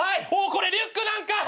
これリュックなんかい！